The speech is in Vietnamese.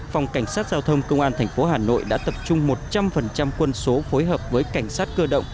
phòng cảnh sát giao thông công an tp hà nội đã tập trung một trăm linh quân số phối hợp với cảnh sát cơ động